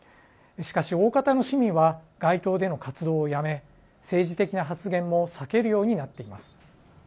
しかし、おおかたの市民は街頭での活動をやめ政治的な発言も避けるようになっています。